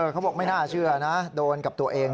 เขาบอกไม่น่าเชื่อนะโดนกับตัวเอง